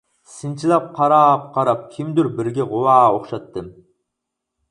سىنچىلاپ قاراپ-قاراپ كىمدۇر بىرىگە غۇۋا ئوخشاتتىم.